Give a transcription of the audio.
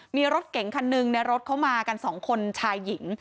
มีรถเก๋งคันหนึ่งในรถเขามากันสองคนชายหญิง